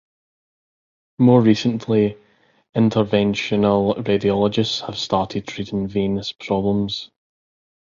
More recently, interventional radiologists have started treating venous problems.